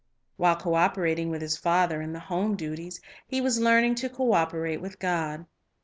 While co operating with his father in the home duties, he was learning to co operate with God.